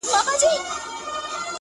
• خوښي نسته واويلا ده تور ماتم دئ ,